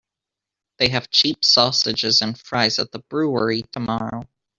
They have cheap sausages and fries at the brewery tomorrow.